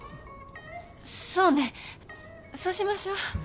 そうねそうしましょう。